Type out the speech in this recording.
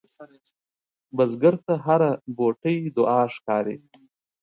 بزګر ته هره بوټۍ دعا ښکاري